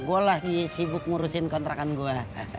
saya yang sibuk menguruskan kontrakan saya